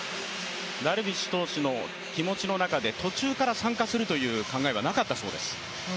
ダルビッシュ投手の気持ちの中で、途中から参加するという気持ちはなかったそうです。